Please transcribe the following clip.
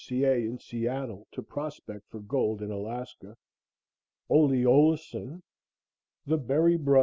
C. A. in Seattle to prospect for gold in Alaska; Ole Oleson; the Berry Bros.